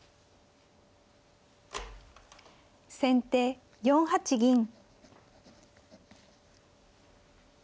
先手４八銀。